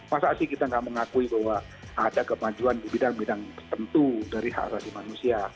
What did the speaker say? masa sih kita nggak mengakui bahwa ada kemajuan di bidang bidang tertentu dari hak asasi manusia